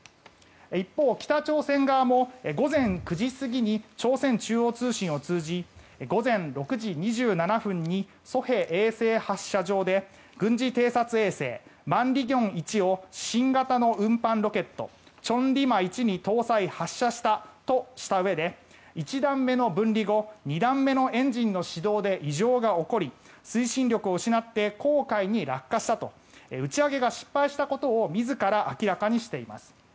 一方、北朝鮮側も午前９時過ぎに朝鮮中央通信を通じ午前６時２７分に西海衛星発射場で軍事偵察衛星マンリギョン１を新型の運搬ロケット、千里馬１に搭載・発射したとしたうえで１段目の分離後２段目のエンジンの始動で異常が起こり推進力を失って黄海に落下したと打ち上げが失敗したことを自ら明らかにしています。